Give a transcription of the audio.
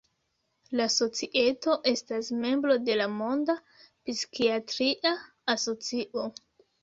La Societo estas membro de la Monda Psikiatria Asocio.